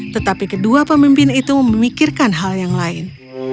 tetapi kedua pemimpin itu memikirkan hal yang lain